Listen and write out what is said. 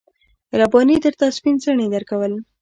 رباني درته سپين څڼې درکول.